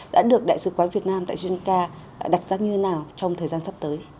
đã được đại sứ quán việt nam tại jenca đặt ra như thế nào trong thời gian sắp tới